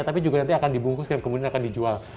tapi juga nanti akan dibungkus dan kemudian akan dijual